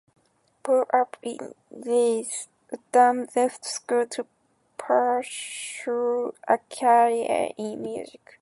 Brought up in Leeds, Adams left school to pursue a career in music.